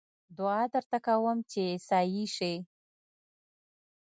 دعا درته کووم چې عيسائي شې